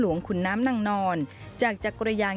สวัสดีครับ